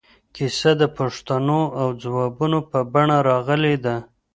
کیسه د پوښتنو او ځوابونو په بڼه راغلې ده.